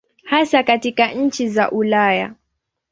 Hasa katika nchi za Ulaya.